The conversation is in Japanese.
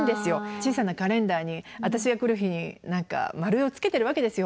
小さなカレンダーに私が来る日に何か丸をつけてるわけですよ。